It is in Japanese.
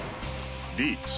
リーチ。